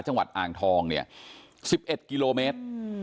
จังหวัดอ่างทองเนี่ย๑๑กิโลเมตร